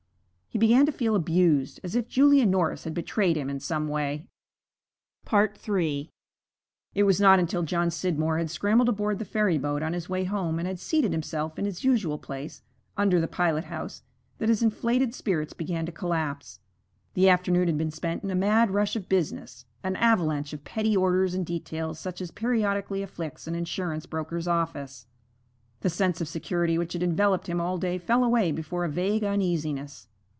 He began to feel abused, as if Julia Norris had betrayed him in some way. III It was not until John Scidmore had scrambled aboard the ferryboat on his way home and had seated himself in his usual place, under the pilot house, that his inflated spirits began to collapse. The afternoon had been spent in a mad rush of business, an avalanche of petty orders and details such as periodically afflicts an insurance broker's office. The sense of security which had enveloped him all day fell away before a vague uneasiness.